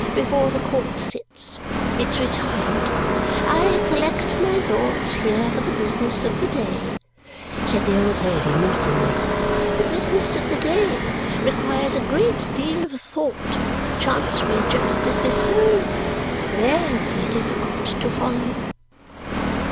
Before the court sits. It's retired. I collect my thoughts here for the business of the day," said the old lady mincingly. "The business of the day requires a great deal of thought. Chancery justice is so ve ry difficult to follow."